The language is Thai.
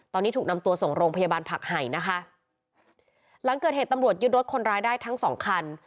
ตอนนี้ถูกนำตัวส่งโรงพยาบาลผักไห่นะคะหลังเกิดเหตุตำรวจยึดรถคนร้ายได้ทั้งสองคัน